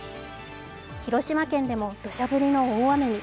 広島県でもどしゃ降りの大雨に。